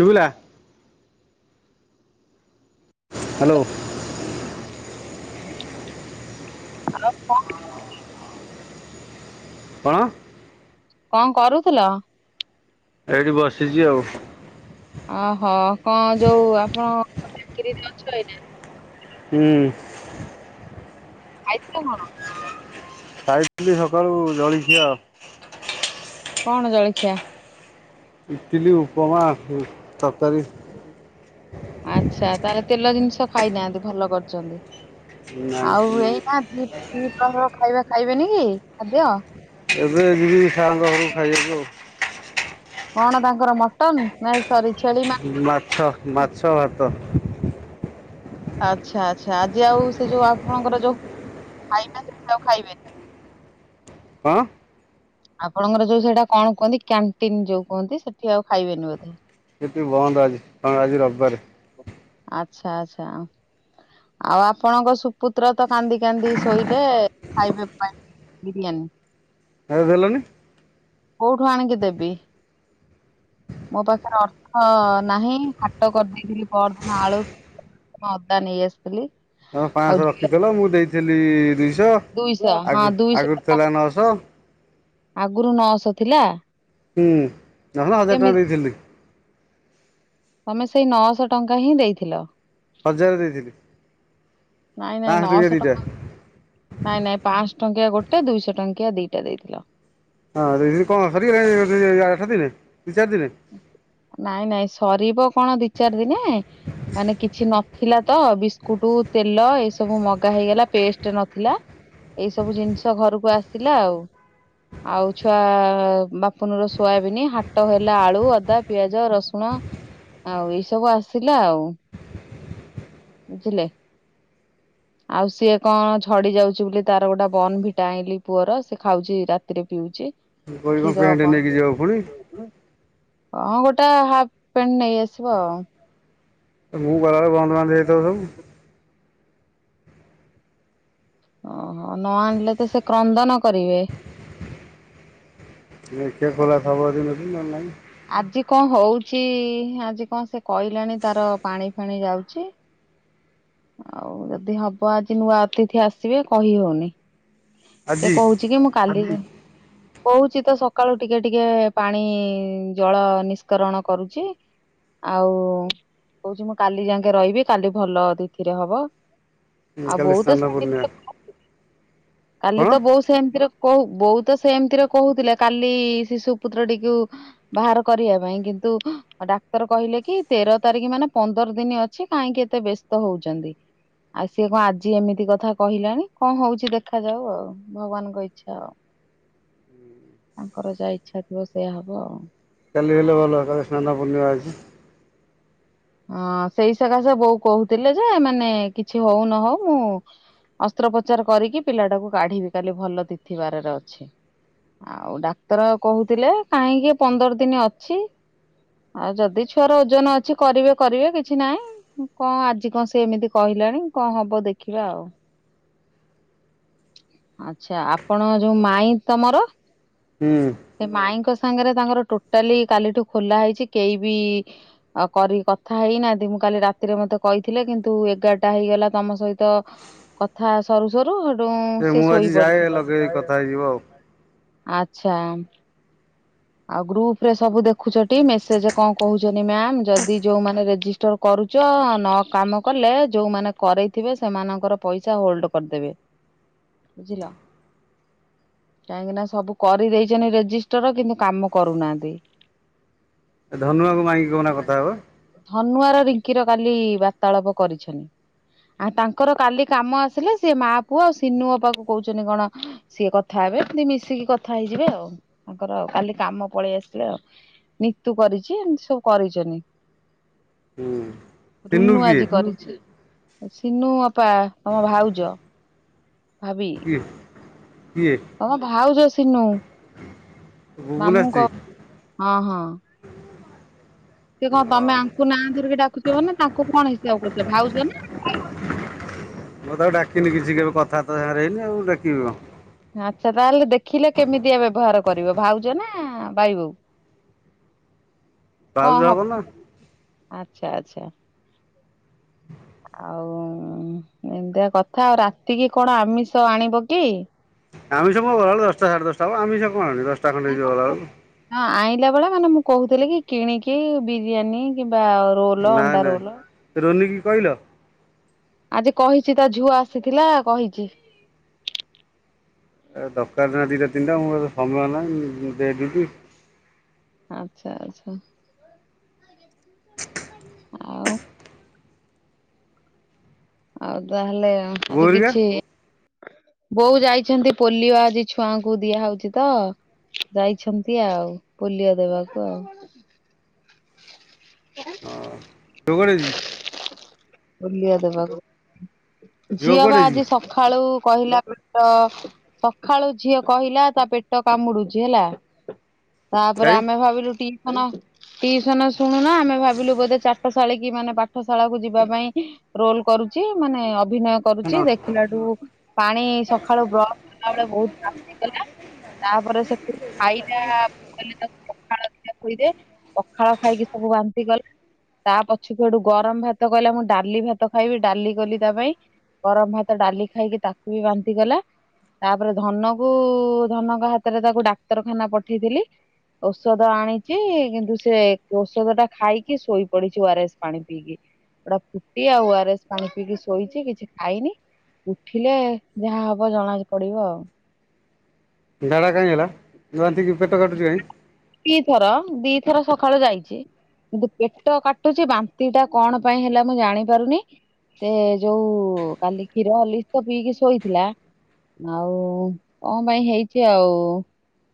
ଶୁଭିଲା? କୁଣି ହ୍ୟାଲୋ ପାଇଁ ହଲ କ କଣ? କଣ କରୁଥିଲ? ଏଇଠି ବସିଛି ଆଉ, ଓହୋ କଣ ଯୋଉ ଆପଣ ଚାକିରିରେ ଅଛ ଏଇନା ହୁଁ। ଆଇପ କ [unintelligible] ଖାଇଥିଲି ସକାଳୁ ଜଳଖିଆ ଆଉ, କଣ ଜଳଖିଆ? ଇଟିଲି, ଉପମା, ତରକାରି। ଆଛା ତାହେଲେ ତେଲ ଜିନିଷ ଖାଇନାହାନ୍ତି ଭଲ କରିଛନ୍ତି। ନାଇଁ ଆଉ ଏଇ ନା ଦିଇ ପ୍ରହର ଖଇବା ଖାଇବେନି କି ଖାଦ୍ୟ? ଏବେ ଯିବି ସାରଙ୍କ ଘରକୁ ଖାଇବାକୁ ଆଉ, କଣ ତାଙ୍କର ମଟନ ନାଇ ସରି ଛେଳି ମା ମାଛ ମାଛ ଭାତ। ଆଚ୍ଛା ଆଚ୍ଛା। ଆଜି ଆଉ ସେ ଯୋଉ ଆପଣଙ୍କର ଯୋଉ ଖାଇବା ସେଠି ଆଉ ଖାଇବେନି? କଣ? ଆପଣଙ୍କର ଯୋଉ ସେଇଟା କଣ କୁହନ୍ତି କ୍ୟାଣ୍ଟିନ ଯୋଉ କୁହନ୍ତି ସେଠି ଆଉ ଖାଇବେନି ବୋଧେ? ସେଇଠି ବନ୍ଦ ଆଜି କାରଣ ଆଜି ରବିବାର। ଆଚ୍ଛା ଆଚ୍ଛା। ଆଉ ଆପଣଙ୍କ ଶୁ ପୁତ୍ର ତ କାନ୍ଦି କାନ୍ଦି ଶୋଇଲେ ଖାଇବା ପାଇଁ ବିରିୟାନୀ ଖାଇବାକୁ ଦେଲାଣି, କୋଉଠୁ ଆଣିକି ଦେବି? ମୋ ପାଖରେ ଅର୍ଥ ନାହିଁ। ହାଟ କରିଦେଇଥିଲି ପଦିନ ଆଳୁ ମୁଁ ଅଦା ନେଇ ଆସିଥିଲି। ହ ଆଉ ପାଞ୍ଚଶହ ଝିଅ ରଖିଥିଲ ମୁଁ ଦେଇଥିଲି ଦୁଇଶହ ଦୁଇଶହ ହଁ ଆଗ ଦୁଇଶହ ଆଗରୁ ଟଙ୍କା ଥିଲା ନଅଶହ। ଆଗରୁ ନଅଶହ ଥିଲା। ହୁଁ ନହେଲେ ହଜାର ଟଙ୍କା କେମିତି ଦେଇଥିଲି। ତମେ ସେଇ ନଅଶହ ଟଙ୍କା ହିଁ ଦେଇଥିଲ। ହଜାର ଦେଇଥିଲି। ନାଇଁ ନାଇଁ ପାଞ୍ଚଶହ ଟଙ୍କିଆ ନଅଶହ ଦିଟା ଟଙ୍କା। ନାଇଁ ନାଇଁ ପାଞ୍ଚଶହ ଟଙ୍କିଆ ଗୋଟେ ଦୁଇଶହ ଟଙ୍କିଆ ଦିଟା ଦେଇଥିଲ। ହଁ ଦେଇଥିଲି କଣ ସରିଗଲା ସାଥିରେ ଦି ଚାର ଦିନରେ। ନାଇଁ ନାଇଁ ସରିବ କଣ ଦି ଚାର ଦିନେ। ମାନେ କିଛି ନଥିଲା ତ ବିସ୍କୁଟ ତେଲ ଏ ସବୁ ମଗା ହେଇଗଲା ପେଷ୍ଟ ନଥିଲା। ଏଇ ସବୁ ଜିନିଷ ଘରକୁ ଆସିଲା ଆଉ ଆଉ ଛୁଆ ବାପୁନର ସୋୟାବିନ ହାଟ ହେ ହେଲା ଆଳୁ ଅଦା ପିଆଜ ରସୁଣ ଆଉ ଏଇ ସବୁ ଆସିଲା ଆଉ ବୁଝିଲେ? ହ ଆଉ ସିଏ କଣ ଝଡି ଯାଉଛି ବୋଲି ତାର ଗୋଟେ ବନଭିଟା ଆଇଁଲିି ପୁଅର ସେ ଖାଉଛି ରାତିରେ ପିଉଛି। ମୁଁ କହିବି କଣ କ୍ଷୀର ପ୍ୟାଣ୍ଟ ହବ। ନେଇକି ଯିବାକୁ ପୁଣି ହଁ ଗୋଟା ହାଫ ପେଣ୍ଟ ନେଇ ଆସିବ ଆଉ ମୁଁ ଗଲାବେଳେ ବନ୍ଦ ବାନ୍ଦ ହେଇଯାଇଥିବ ସବୁ। ଓହୋ ନ ଆଣିଲେ ତ ସେ କ୍ରନ୍ଦନ କରିବେ? ହୁଁ। [inaudible] ଆଜି କଣ ହଉଛି ଆଜି କଣ ସେ କହିଲାଣି ତାର ପାଣି ଫାଣି ଯାଉଛି। ହ ଆଉ ଯଦି ହବ ଆଜି ନୂଆ ଅତିଥି ଆସିବେ କହି ହଉନି? ସେ ଆଜି କହୁଛି କି ମୁଁ କାଲି କହୁଛି ତ ସକା ସକାଳୁ ଟିକେ ଟିକେ ପାଣି ଜଳ ନିଷ୍କରଣ କରୁଛି। ଆଉ କହୁଛି ମୁଁ କାଲି ଯାକେ ରହିବି କାଲି ଭଲ ତିଥିରେ ହବ। ଆଉ କାଲି ବୋଉ ତ ସ୍ନାନ [inaudible] ପୂର୍ଣ୍ଣିମା। କାଲି କଣ ତ ବୋଉ ସେମତିରେ କହୁ ବୋଉ ତ ସେମତିରେ କହୁଥିଲେ। କାଲି ଶିଶୁ ପୁତ୍ରଟିକୁ କା ବାହାର କରିବା ପାଇଁ କିନ୍ତୁ ଡାକ୍ତର କହିଲେ କି ତେର ତାରିଖ ମାନେ ପନ୍ଦର ଦିନ ଅଛି। କାହିଁକି ଏତେ ବ୍ୟସ୍ତ ହଉଛନ୍ତି? ଆଉ ସିଏ କଣ ଆଜି ଏମିତି କଥା କହିଲାଣି କଣ ହଉଛି ଦେଖାଯାଉ ଆଉ ଭଗବାନଙ୍କ ଇଚ୍ଛା ଆଉ। ତାଙ୍କର ଯାହା ଇଚ୍ଛା ଥିବ ସେଇଆ ହବ ଆଉ କାଲି ହେଲେ ଭଲ ହନ୍ତା ସ୍ନାନ ପୂର୍ଣିମା ଅଛି। ହଁ ସେଇ ସକାଶେ ବୋଉ କହୁଥିଲେ ଯେ ମାନେ କିଛି ହଉ ନ ହଉ ମୁଁ ଅସ୍ତ୍ରୋପଚାର କରିକି ପିଲାଟାକୁ କାଢିବି କାଲି ଭଲ ତିଥିବାରରେ ଅଛି। ଆଉ ଡାକ୍ତର କହୁଥିଲେ କାହିଁକି ପନ୍ଦର ଦିନ ଅଛି। ଆଉ ଯଦି ଛୁଆର ଓଜନ ଅଛି। କରିବେ କରିବେ କିଛି ନାହିଁ କଣ ଆଜି କଣ ସେ ଏମିତି କହିଲାଣି କଣ ହବ ଦେଖିବା ଆଉ ଆଚ୍ଛା ଆପଣ ଯୋଉ ମାଇଁ ତମର ହୁଁ। ସେ ମାଇଙ୍କ ସାଙ୍ଗରେ ତାଙ୍କର ଟୋଟାଲି କାଲିଠୁ ଖୋଲା ହେଇଛି କେହି ବି ଆ କରିି କଥା ହେଇନାହାନ୍ତି ମୁଁ କାଲି ରାତିରେ ମତେ କହିଥିଲେ କିନ୍ତୁ ଏଗାରଟା ହେଇଗଲା ତମ ସହିତ କଥା ସରୁସରୁ ସେଠୁ ଏ ସେ ମୁଁ ଆଜି ଶୋଇ ଯାଏ ପଡିଥିବ। ଲଗେଇ କଥା ହେଇଯିବ ଆଉ। ଆଚ୍ଛା। ଆଉ ଗ୍ରୁପ ରେ ସବୁ ଦେଖୁଛ ଟି ମେସେଜ କଣ କହୁଛନ୍ତି ମ୍ୟାାମ ଯଦି ଯୋଉମାନେ ରେଜିଷ୍ଟର କରୁଛ ନ କାମ କଲେ ଯୋଉମାନେ କରେଇଥିବେ ସେମାନଙ୍କର ପଇସା ହୋଲ୍ଡ କରିଦେବେ। [inaudible] ବୁଝିଲ କାହିଁକି ନା ସବୁ କରିଦେଇଛନ୍ତି ରେଜିଷ୍ଟର କିନ୍ତୁ କାମ କରୁନାହାନ୍ତି। ଏ ଧନୁଆଙ୍କୁ ମାଗିକି କନା କଥା ହେବ। ଧନୁଆର ରିଙ୍କିର କାଲି ବାର୍ତ୍ତାଳାପ କରିଛନି। ଆଉ ତାଙ୍କର କାଲି କାମ ଆସିଲେ ସେ ମା ପୁଅ ଆଉ ସିନୁ ଅପା କୁ କହୁଛନ୍ତି କଣ ସିଏ କଥା ହେବେ ଏମିତି ମିଶିକି କଥା ହେଇଯିବେ ଆଉ ତାଙ୍କର ଆଉ କାଲି କାମ ପଳେଇ ଆସିଥିଲେ ଆଉ ନିତୁ କରିଛି ଏମତି ସବୁ କରିଛନି। ସିନୁ ରୁନୁ କିଏ ଆଜି କରିଛି ସିନୁ ଅପା ତମ ଭାଉଜ। ଭାବି। [unintelligible] ତମ ଭାଉଜ ସିନୁ ଗୁଗୁନା ମାମୁଁ ସ୍ତ୍ରୀ କ ହଁ ହଁ। ସେ କଣ ତମେ ହଁ। ଆଙ୍କୁ ନାଁ ଧରିକି ଡାକୁଛିବ ନା ତାଙ୍କୁ କଣ ହିସାବ କରୁଛ ଭାଉଜ ନା। ମୁଁ ତେ ଆଉ ଡାକିନି କିଛି କେବେ କଥାବାର୍ତ୍ତାରେ ହେଇନି ଆଉ ଡାକିବ କଣ। ଆଚ୍ଛା ତାହେଲେ ଦେଖିଲେ କେମିତିଆ ବ୍ୟବହାର କରିବ ଭାଉଜ ନା ଭାଇ ବୋଉ? [inaudible] କଣ ହବ ନା। ଆଚ୍ଛା ଆଚ୍ଛା। ଆଉ ଏତିଆ କଥା ଆଉ ରାତିକି କଣ ଆମିଷ ଆଣିବ କି? ଆମେ ସବ ଗଲାବେୁ ଦଶଟା ସାଢେଶଟା ହ ଆମିବ କଣଣି ଦଶଟା ଖଣ୍ଡେଇ ଯ ଗଲା ବଳୁ ହଁ ଆଣିଲା ବେଳେ ମାନେ ମୁଁ କହୁଥିଲି କି କିଣିକି ବିରିୟାନୀ କିମ୍ବା ରୋଲ ନାଇଁ ଅଣ୍ଡା ନାଇଁ ରୋଲ ରୋନି କି କହିଲ? ଆଜି କହିଛି ତା ଝୁଅ ଆସିଥିଲା କହିଛି। ଏ ଦରକାର ନା ଦିଇଟା ତିନିଟା ମୁଁ ସମୟ ନାହିଁ ମୁଁ ଦେଇଦିବି। ଆଚ୍ଛା ଆଚ୍ଛା। ଆଉ। ଆଉ ତାହେଲେ ବୋଉ ଆଜି ହେରିକା କିଛି ବୋଉ ଯାଇଛନ୍ତି ପୋଲିଓ ଆଜି ଛୁଆଙ୍କୁ ଦିଆହଉଛି ତ। ଯାଇଛନ୍ତି ଆଉ ପୋଲିଓ ଦେବାକୁ ଆଉ। [unintelligible] [unintelligible] ବଲିଆ ଦେବାକୁ ଝିଅ ବା କୁଆଡ଼େ ଯାଇଛି ଆଜି ସ ଖାଳୁ କହିଲା ତ ସକାଳୁ ଝିଅ କହିଲା ତା ପେଟ କାମୁଡୁଛି ହେଲା। ତାପରେ କାଇଁ ଆମେ ଭାବିଲୁ ଟି ଖନ ଟିୁସନ ଶୁଣୁ ନା ଆମେ ଭାବିଲୁ ବୋଧେ ଚାଟଶାଳୀ କି ମାନେ ପାଠଶାଳା କକୁ ଯିବୁ। ଯିବା ପାଇଁ ରୋଲ କରୁଛି ମାନେ ଅଭିନୟ କରୁଛି ଦେଖିଲାଠୁ ପାଣି ସକାଳୁ ବ କଲା ବ ବହୁ ହେଇଗଲା। ତାପରେ ସେଠୁ ଖାଇଲା କଲେ ତାକୁ ପଖାଳ ପା ଖୋଇଦେ। ପଖାଳ ଖାଇକି ସବୁ ବାନ୍ତି ଗଲା ତା ପଛକୁ ଏଠୁ ଗରମ ଭାତ ତ କହିଲା ମୁଁ ଡାଲି ଭାତ ଖାଇବି ଡାଲି କଲି ତା ପାଇଁ। ଗରମ ଭାତ ଡାଲି ଖାଇକି ତାକୁ ବି ବାନ୍ତିଗଲା। ତାପରେ ଧନକୁ ଧନଙ୍କ ହାତରେ ତାକୁ ଡାକ୍ତରଖାନା ପଠେଇଥିଲି। ଔଷଧ ଆଣିଛି କିନ୍ତୁ ସେ ଔଷଧ ଟା ଖାଇକି ଶୋଇ ପଡିଛି ଓ ଆର ଏସ୍ ପାଣି ପିଇକି। ଗୋଟେ ଫୁଟି ଆଉ ଓ ଅର୍ ଏସ୍ ପାଣି ପିଇକି ଶୋଇଛି କିଛି ଖାଇନି। ଉଠିଲେ ଯାହା ହବ ଜଣା ପଡ଼ିବ ଆଉ। ଝାଡ଼ା କାହିଁ ହେଲା ବାନ୍ତିକି ପେଟ କାଟୁଛି କାହିଁ? ଦିଥର ଦିଥର ସକାଳୁ ଯାଇଛି। କିନ୍ତୁ ପେଟ କାଟୁଛି ବାନ୍ତି ଟା କଣ ପାଇଁ ହେଲା ମୁଁ ଜାଣି ପାରୁନି? ସେ ଯୋଉ କାଲି କ୍ଷୀର ହଲିକ୍ସ ତ ପିଇକି ଶୋଇଥିଲା। ଆଉ କଣ ପାଇଁ ହେଇଚି ଆଉ।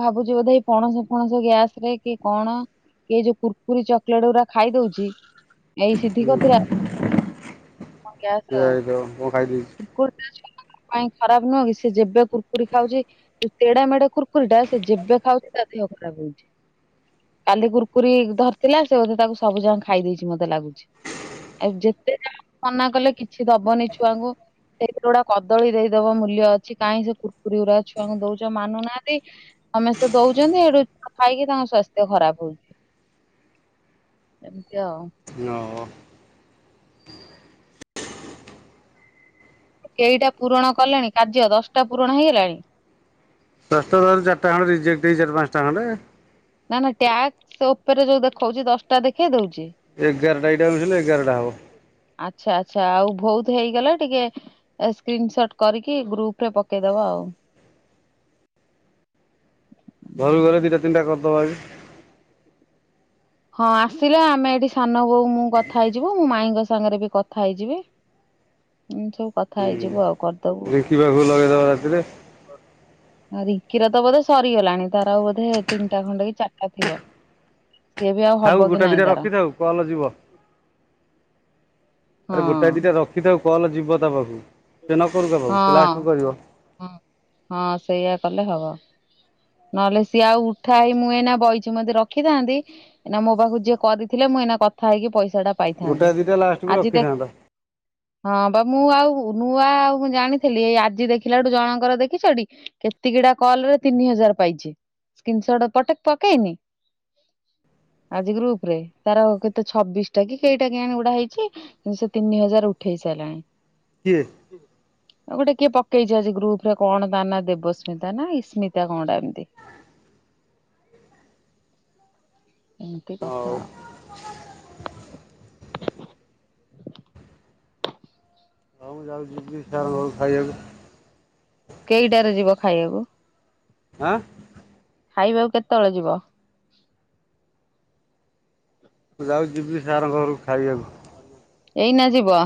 ଭାବୁ ଚି ବୋଧେ ଏଇ ପଣସ ଫଣସ ଗ୍ୟାସ୍ ରେ କି କଣ। ଏ ଯୋଉ କୁୁରକୁରି ଚକୋଲେଟ୍ ଗୁଡ଼ା ଖାଇଦଉଛି ଏଇ ସିଧି କତର। ସିଏ ଯୋଉ ମୁଁ ଖାଇ ଦେଇଛି। କୁରକୁରି ପାଇଁ ଖରାପ ନୁହଁ କି ସିଏ ଯେବେ କୁରୁକୁରି ଖାଉଛି। ତେଢେ ମେଡ଼େ କୁରକୁରି ଟା ସିଏ ଯେବେ ଖାଉଛି ତା ଦେହ ଖରାପ ହଉଛି। କାଲି କୁୁରକୁରି ଧରିଥିଲା ସେ ବୋଧେ ତାକୁ ସବୁ ଯାଙ୍କ ଖାଇ ଦେଇଛି ମୋତେ ଲାଗୁଛି। ଆଉ ଯେତେ ଯାହା ମନା କଲେ କିଛି ଦବନି ଛୁଆଙ୍କୁ। ସେଇଥିରେ ଗୋଟା କଦଳୀ ଦେଇଦବ ମୂଲ୍ୟ ଅଛି କାଇଁ ସେ କୁରୁକୁରି ଗୁରା ଛୁଆଙ୍କୁ ଦଉଚ ମାନୁନାହାନ୍ତି। ସେ ଦଉଚନ୍ତି ହେଠୁ ଖାଇକି ତାଙ୍କ ସ୍ୱାସ୍ଥ୍ୟ ଖରାପ ହଉଛି। ଏମିତି ଆଉ। ନଅ କେଇଟା ପୂରଣ କଲେଣି କାର୍ଯ୍ୟ ଦଶଟା ପୂରଣ ହେଇଗଲାଣି? ଦଶଟା [inaudible] ଚାଟା ଖଣ୍ଡେ ରିଜେକ୍ଟ ହେଇ ଚାରି ପାନ୍ସଟା ଖଣ୍ଡେ। ନା ନା ଟ୍ୟାକ୍ସ ଉପରେ ଯୋଉ ଦେଖଉଚି ଦଶଟା ଦେଖେଇ ଦଉଚି? ଏଗାରଟା ଏଇଟା ମିଶିଲେ ଏଗାରଟା ହବ। ଆଚ୍ଛା, ଆଚ୍ଛା ଆଉ ଭୋଉତୁ ହେଇଗଲେ ଟିକେ ଏ ସ୍କ୍ରିନସଟ୍ କରିକି ଗ୍ରୁପ୍ ରେ ପକେଇଦବ। ଘରୁକୁ ଗଲେ ଦିଟା ତିନିଟା କରିଦବା ଆଜି। ହଁ ଆସିଲେ ଆମେ ଏଠି ସାନ ବୋଉ ମୁଁ କଥା ହେଇଯିବୁ। ମୁଁ ମାଇଁଙ୍କ ସାଙ୍ଗରେ ବି କଥା ହେଇଯିବି। ଏମତି ସବୁ କଥା ହେଇଯିବୁ ଆଉ କରିଦବୁ। ଶିବାକୁ ଲଗେଇଦେବା ରାତିରେ। ଅ, ରିଙ୍କିର ତ ବୋଧେ ସରିଗଲାଣି ତାର ଆଉ ବୋଧେ ତିନିଟା ଖଣ୍ଡେ କି ଚାଟା ଥିବ। ସିଏ ବି ଆଉ ହବ ଥାଉ କି ଗୋଟେ ନାଇଁ ଦିଟା ତାର ରଖିଥାଉ କଲ୍ ଯିବ। ହଁ ଆରେ ଗୋଟାଏ ଦିଟା ରଖିଥାଉ କଲ୍ ଯିବ ତା ପାଖକୁ। ସେ ନ କରୁ କା ପାଖକୁ ସେ ହଁ, ଲାଷ୍ଟକୁ କରିବ ହଁ, ହଁ ସେଇଆ କଲେ ହବ। ନହେଲେ ସିଏ ଆଉ ଉଠା ହେଇ ମୁଁ ଏଇନା ବଇଛି ମୁଁ ଯଦି ରଖିଥାଆନ୍ତି। ଏଇନା ମୋ ପାଖକୁ ଯିଏ କରିଥିଲେ ମୁଁ ଏଇନା କଥା ହେଇକି ପଇସା ଟା ଗୋଟାଏ ପାଇଥାନ୍ତି। ଦିଟା ଲାଷ୍ଟକୁ ଆଜି ଦେ ରଖିଥାନ୍ତା ହଁ ବା ମୁଁ ଆଉ ନୂଆ ଆଉ କଣ ଜାଣିଥିଲି ଏଇ ଆଜି ଦେଖି ଥିଲାଠୁ ଜଣଙ୍କର ଦେଖିଛ ଟି କେତିକିଟା କଲ୍ ରେ ତିନି ହଜାର ପାଇଛି। ସ୍କିନ୍ ସଟ୍ ପଟେ ପକେଇନି। ଆଜି ଗ୍ରୁପ୍ ରେ ତାର କେତେ ଛବିଶ ଟା କି କେଇଟା କେଆଣି ଗୁଟା ହେଇଛି। କିନ୍ତୁ ସେ ତିନି ହଜାର ଉଠେଇ ସାଇଲାଣି। କିଏ? ଆଉ ଗୋଟେ କିଏ ପକେଇଛି ଆଜି ଗ୍ରୁପ୍ ରେ କଣ ତା ନାଁ ଦେବସ୍ମିତା ନା ଇସ୍ମିତା କଣଟା ଏମତି? ଏମିତି ହଉ କଥା। ହଉ ମୁ ଯାଉଚି ଯିବି ସାର୍ ଙ୍କ ଘରକୁ ଖାଇଆକୁ। କେଇଟାରେ ଯିବ ଖାଇବାକୁ? ଆଁ? ଖାଇବାକୁ କେତେବେଳେ ଯିବ? ମୁଁ ଯାଉଚି ଯିବି ସାର୍ ଙ୍କ ଘରକୁ ଖାଇବାକୁ। ଏଇନା ଯିବ?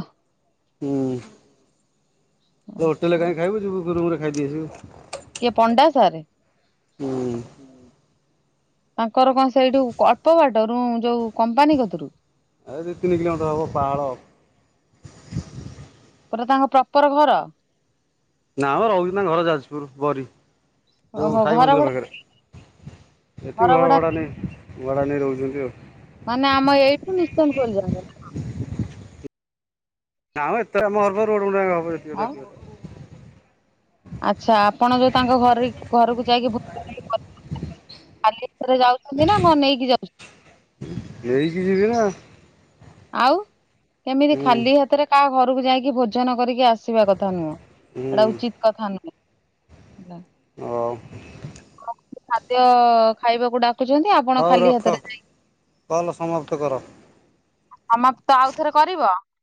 ହୁଁ। ସେ ହୋଟେଲ୍ ରେ ଆଚ୍ଛା କାହିଁ ଖାଇବୁ ଯିବୁ ରୁମ୍ ରେ ଖାଇଦେଇ ଆସିବୁ। କିଏ ପଣ୍ଡା ସାରେ? ହୁଁ ତାଙ୍କର କଣ ସେଇଠୁ ଅଳ୍ପ ବାଟ ରୁୁ ଯୋଉ କମ୍ପାନୀ କତିରୁ? ଏ ଦି ତିନି କିଲୋମିଟର ହବ ପାହାଳ। ପୁରା ତାଙ୍କ ପ୍ରପର୍ ଘର? ନା ମୋ ରହୁଚନ୍ତି ତାଙ୍କ ଘର ଯାଜପୁର ବରୀ। ଯୋଉ ଓହୋ ସାଇ ଘର ମନ୍ଦିର ଭଡା ପାଖରେ। ଏଠି ଘର ଭଡ଼ା ନେଇ ଭଡ଼ା ନେଇ ରହୁଛନ୍ତି ଆଉ। ମାନେ ଆମ ଏଇଠୁ। [unintelligible] ନା ମ ଏତେ ଆମ ଘର। [unintelligible] ଆଉ ଆଚ୍ଛା, ଆପଣ ତ ତାଙ୍କ ଘରି ଘରକୁ ଯାଇକି। [unintelligible] ଖାଲି ହାତରେ ଯାଉଛନ୍ତି ନା କଣ ନେଇକି ଯାଉଛନ୍ତି? ନେଇକି ଯିବି ନା। ଆଉ, କେମିତି ହୁଁ ଖାଲି ହାତରେ କାହା ଘରକୁ ଯାଇକି ଭୋଜନ କରିକି ଆସିବା କଥା ନୁହଁ। ହୁଁ ଏଟା ଉଚିତ୍ କଥା ନୁହେଁ। ହେଲା। ଆଉ [unintelligible] ଖାଦ୍ୟ ଖାଇବାକୁ ଡା। [unintelligible] ହଉ ରଖ। କଲ୍ ସମାପ୍ତ କର। ସମାପ୍ତ ଆଉଥରେ କରିବ।